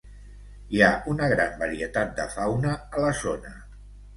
Hi ha una gran varietat de fauna a la zona.